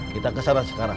kita kesana sekarang